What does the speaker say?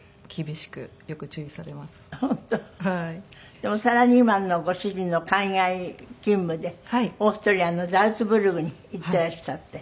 でもサラリーマンのご主人の海外勤務でオーストリアのザルツブルクに行っていらしたってね。